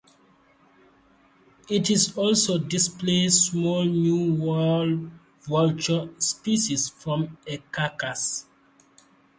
It also displaces smaller New World vulture species from a carcass.